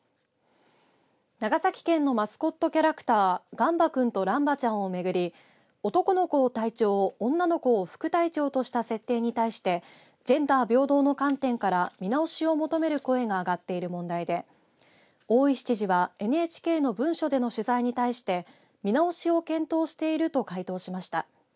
長崎県のマスコットキャラクターがんばくんとらんばちゃんをめぐり男の子を隊長女の子を副隊長とした設定に対してジェンダー平等の観点から見直しを求める声があがっている問題で大石知事はＮＨＫの文書での取材に対して見直しを検討していると回答しました。